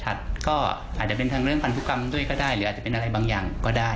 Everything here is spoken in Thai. อาจจะเป็นทางเรื่องพันธุกรรมด้วยก็ได้หรืออาจจะเป็นอะไรบางอย่างก็ได้